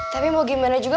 tapi mau gimana juga